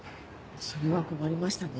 それは困りましたね。